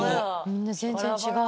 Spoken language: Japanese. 全然違う。